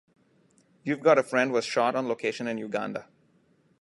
"You've Got a Friend" was shot on location in Uganda.